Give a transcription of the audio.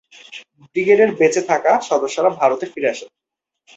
ব্রিগেডের বেঁচে থাকা সদস্যরা ভারতে ফিরে আসেন।